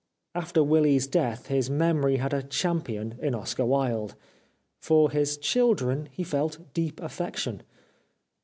After Willy's death his memory had a champion in Oscar Wilde. For his children he felt deep affection.